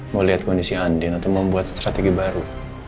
mau lihat kondisinya andin atau mau buat strategi baru